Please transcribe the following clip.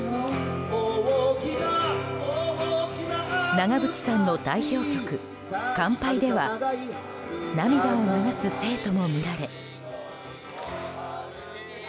長渕さんの代表曲「乾杯」では涙を流す生徒も見られ。